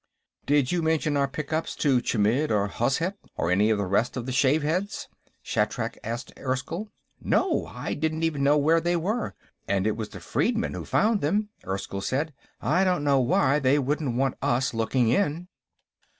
"Did you mention our pickups to Chmidd or Hozhet or any of the rest of the shaveheads?" Shatrak asked Erskyll. "No. I didn't even know where they were. And it was the freedmen who found them," Erskyll said. "I don't know why they wouldn't want us looking in."